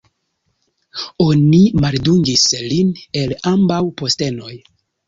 Oni maldungis lin el ambaŭ postenoj.